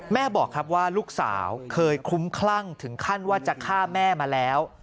แม่บอกครับว่าลูกสาวเคยคลุ้มคลั่งถึงขั้นว่าจะฆ่าแม่มาแล้ว